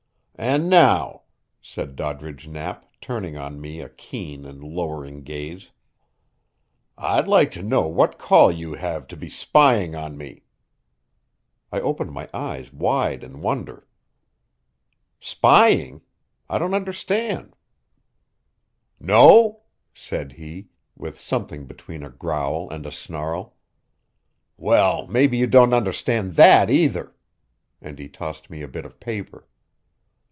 "And now," said Doddridge Knapp, turning on me a keen and lowering gaze, "I'd like to know what call you have to be spying on me?" I opened my eyes wide in wonder. "Spying? I don't understand." "No?" said he, with something between a growl and a snarl. "Well, maybe you don't understand that, either!" And he tossed me a bit of paper.